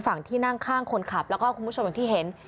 ฝั่งที่นั่งข้างคนขับแล้วก็คุณผู้ชมอย่างที่เห็น